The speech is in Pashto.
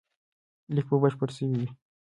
لیک به بشپړ سوی وي.